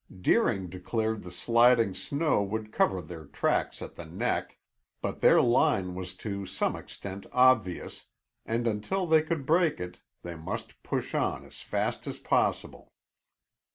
Deering declared the sliding snow would cover their tracks at the neck, but their line was to some extent obvious, and until they could break it, they must push on as fast as possible.